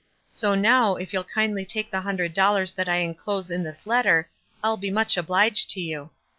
So now if you'll kindly take the hundred dollars that I inclose in this letter, I'll be much obliged to you.